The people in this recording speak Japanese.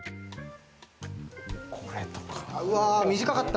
これとか。